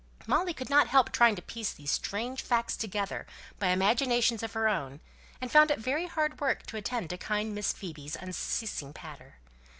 Molly could not help trying to piece these strange facts together by imaginations of her own, and found it very hard work to attend to kind Miss Phoebe's unceasing patter.